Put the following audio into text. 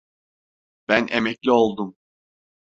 Ben emekli oldum.